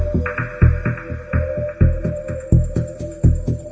อันนี้ว่าสัญชาตยาความเป็นพ่อเนี่ยมันควรที่จะต้องขึ้นไปหรือเปล่าอะไรอย่างเงี้ยครับ